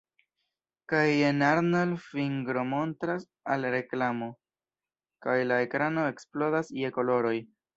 Kaj jen Arnold fingromontras al reklamo, kaj la ekrano eksplodas je koloroj.